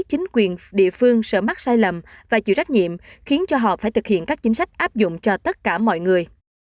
chính quyền địa phương sợ mắc sai lầm và chịu trách nhiệm khiến cho họ phải thực hiện các chính sách áp dụng cho tất cả mọi người